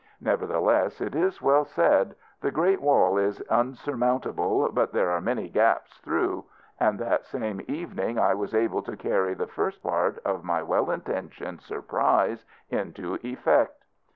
Nevertheless, it is well said, "The Great Wall is unsurmountable, but there are many gaps through," and that same evening I was able to carry the first part of my well intentioned surprise into effect.